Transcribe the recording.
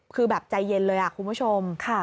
คือแบบใจเย็นเลยคุณผู้ชม